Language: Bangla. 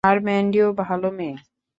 আর ম্যান্ডিও ভালো মেয়ে।